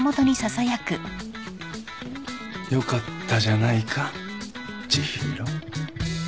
よかったじゃないか知博。